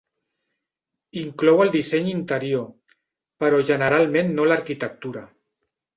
Inclou el disseny interior, però generalment no l'arquitectura.